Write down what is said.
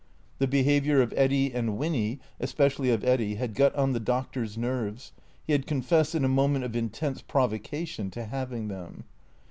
The behaviour of Eddy and Winny, especially of Eddy, had got on the Doctor's nerves (he had confessed, in a moment of intense provocation, to having them).